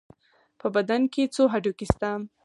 په بدن کې څو هډوکي شته؟